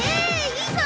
いいぞ！